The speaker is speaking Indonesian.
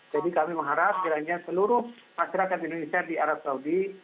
jadi kami mengharap jelanya seluruh masyarakat indonesia di arab saudi